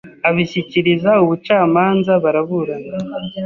abishyikiriza ubucamanza Baraburana